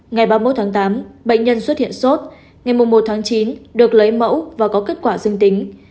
ngày ba mươi một tháng tám bệnh nhân xuất hiện sốt ngày một tháng chín được lấy mẫu và có kết quả dương tính